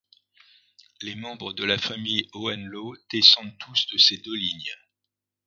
Les membres de la famille Hohenlohe descendent tous de ces deux lignes.